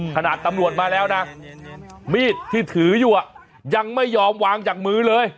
ตำรวจมาแล้วนะมีดที่ถืออยู่ยังไม่ยอมวางจากมือเลย